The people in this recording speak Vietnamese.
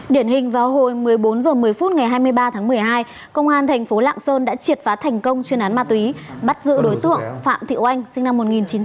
điển hình vào hồi một mươi bốn h một mươi phút ngày hai mươi ba tháng một mươi hai công an thành phố lạng sơn đã triệt phá thành công chuyên án ma túy bắt giữ đối tượng phạm thị oanh sinh năm một nghìn chín trăm tám mươi